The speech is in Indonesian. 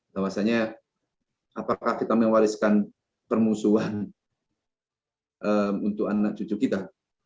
bahwasannya apakah kita mewariskan permusuhan untuk anak cucu kita